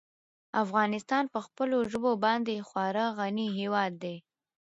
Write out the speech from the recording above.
افغانستان په خپلو ژبو باندې خورا غني هېواد دی.